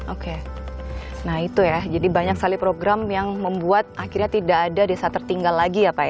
oke nah itu ya jadi banyak sekali program yang membuat akhirnya tidak ada desa tertinggal lagi ya pak ya